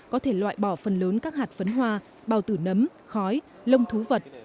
có thể loại bỏ phần lớn các hạt phấn hoa bào tử nấm khói lông thú vật